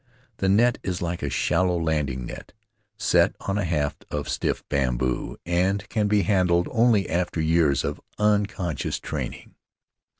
The net is like a shallow landing net, set on a haft of stiff bamboo, and can be handled only after years of un conscious training.